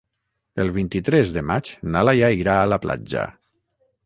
El vint-i-tres de maig na Laia irà a la platja.